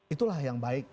itulah yang baik